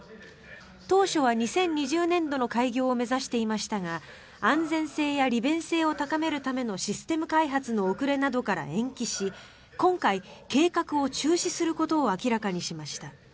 当初は２０２０年度の開業を目指していましたが安全性や利便性を高めるためのシステム開発の遅れなどから延期し、今回計画を中止することを明らかにしました。